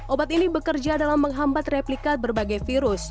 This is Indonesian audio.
obat ini bekerja dalam menghambat replika berbagai virus